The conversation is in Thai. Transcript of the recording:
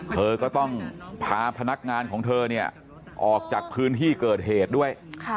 เธอก็ต้องพาพนักงานของเธอเนี่ยออกจากพื้นที่เกิดเหตุด้วย